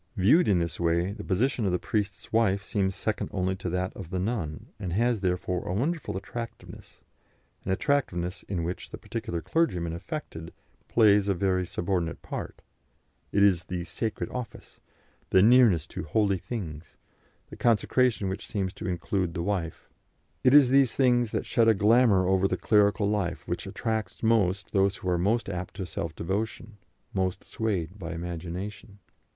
Viewed in this way, the position of the priest's wife seems second only to that of the nun, and has, therefore, a wonderful attractiveness, an attractiveness in which the particular clergyman affected plays a very subordinate part; it is the "sacred office," the nearness to "holy things," the consecration which seems to include the wife it is these things that shed a glamour over the clerical life which attracts most those who are most apt to self devotion, most swayed by imagination.